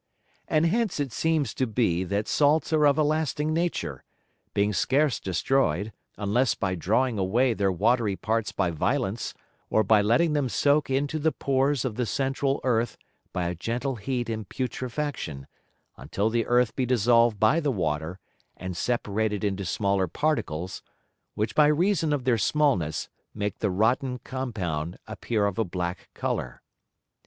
And hence it seems to be that Salts are of a lasting Nature, being scarce destroy'd, unless by drawing away their watry Parts by violence, or by letting them soak into the Pores of the central Earth by a gentle Heat in Putrefaction, until the Earth be dissolved by the Water, and separated into smaller Particles, which by reason of their Smallness make the rotten Compound appear of a black Colour.